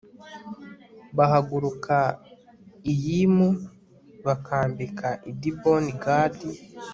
Bahaguruka Iyimu bakambika i Diboni Gadi